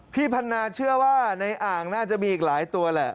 พันนาเชื่อว่าในอ่างน่าจะมีอีกหลายตัวแหละ